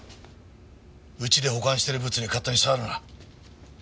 うちで保管してるブツに勝手に触るな。